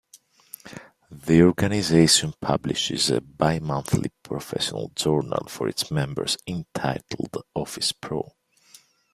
The organization publishes a bi-monthly professional journal for its members entitled Office Pro.